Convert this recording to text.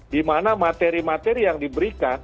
di mana materi materi yang diberikan